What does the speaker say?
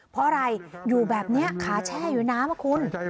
เพราะอะไรอยู่แบบนี้ขาแช่อยู่น้ำอะคุณ